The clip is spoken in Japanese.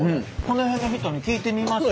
この辺の人に聞いてみます？